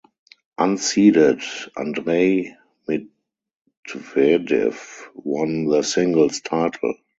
Unseeded Andrei Medvedev won the singles title.